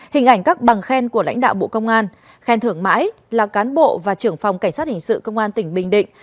hình ảnh các bằng khen của lãnh đạo bộ công an khen thưởng mãi là cán bộ và trưởng phòng cảnh sát hình sự công an tỉnh bình định